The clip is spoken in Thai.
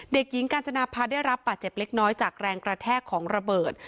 เด็กหญิงกาญจนาภาได้รับบาดเจ็บเล็กน้อยจากแรงกระแทกของระเบิด